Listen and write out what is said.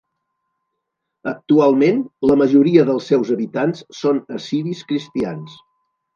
Actualment la majoria dels seus habitants són assiris cristians.